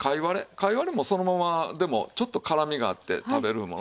かいわれもそのままでもちょっと辛みがあって食べるもの。